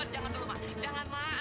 jangan dulu ma jangan ma